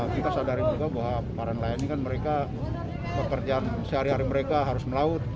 kita sadari juga bahwa para nelayan ini kan mereka pekerjaan sehari hari mereka harus melaut